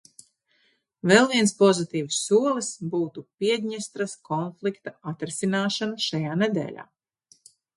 Vēl viens pozitīvs solis būtu Piedņestras konflikta atrisināšana šajā nedēļā.